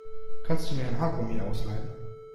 Kannst du mir ein Haargummi ausleihen?